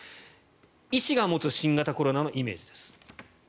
医師が持つ新型コロナのイメージです。